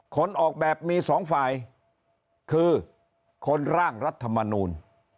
ออกแบบมีสองฝ่ายคือคนร่างรัฐมนูล